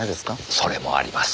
それもあります。